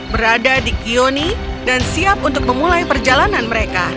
berada di kioni dan siap untuk memulai perjalanan mereka